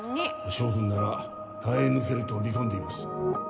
翔くんなら耐え抜けると見込んでいます